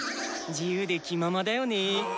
自由で気ままだよね。